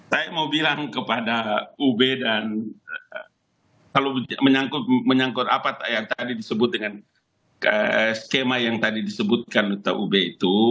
saya mau bilang kepada ub dan kalau menyangkut apa yang tadi disebut dengan skema yang tadi disebutkan ub itu